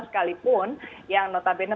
sekalipun yang notabene